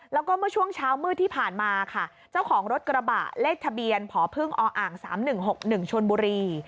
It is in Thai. แล้วก็เมื่อช่วงเช้ามืดที่ผ่านมาค่ะเจ้าของรถกระบะเลขทะเบียนพพ๓๑๖๑ชนบุรี